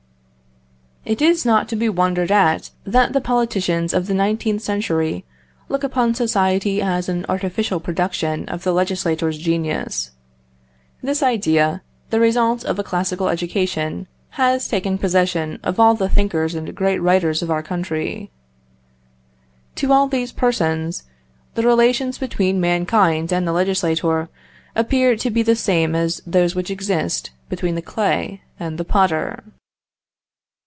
It is not to be wondered at that the politicians of the nineteenth century look upon society as an artificial production of the legislator's genius. This idea, the result of a classical education, has taken possession of all the thinkers and great writers of our country. To all these persons, the relations between mankind and the legislator appear to be the same as those which exist between the clay and the potter.